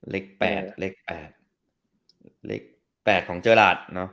เล็ก๘เล็ก๘เล็ก๘ของเจอราช